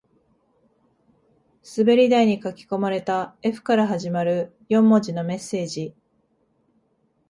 滑り台に書き込まれた Ｆ から始まる四文字のメッセージ